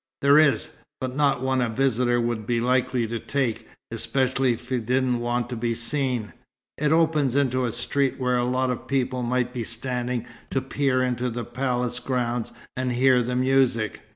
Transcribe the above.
"There is; but not one a visitor would be likely to take, especially if he didn't want to be seen. It opens into a street where a lot of people might be standing to peer into the palace grounds and hear the music.